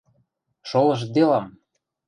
Шолыштделам!..